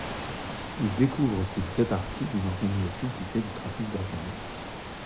Ils découvrent qu'il fait partie d'une organisation qui fait du trafic d'organes...